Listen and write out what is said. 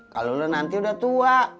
kalau lo nanti udah tua